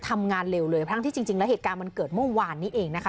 ทำงานเร็วเลยทั้งที่จริงแล้วเหตุการณ์มันเกิดเมื่อวานนี้เองนะคะ